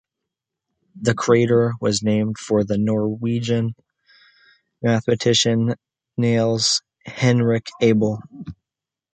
The crater was named for the Norwegian mathematician Niels Henrik Abel.